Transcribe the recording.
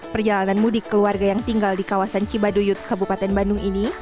perjalanan mudik keluarga yang tinggal di kawasan cibaduyut kabupaten bandung ini